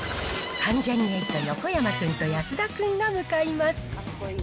関ジャニ∞の横山君と安田君が向かいます。